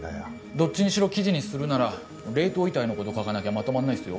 どっちにしろ記事にするなら冷凍遺体のこと書かなきゃまとまんないっすよ。